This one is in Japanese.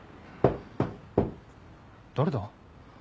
誰だ？